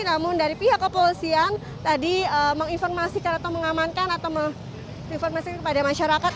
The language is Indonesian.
namun dari pihak kepolisian tadi menginformasikan atau mengamankan atau menginformasikan kepada masyarakat